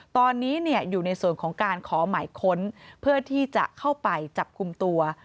ตอนนี้อยู่ในส่วนของการขอหมายค้นเพื่อที่จะเข้าไปจับกลุ่มตัว